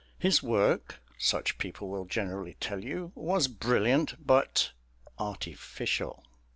His work (such people will generally tell you) was brilliant but "artificial"